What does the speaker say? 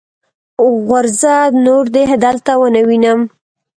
غورځه! نور دې دلته و نه وينم.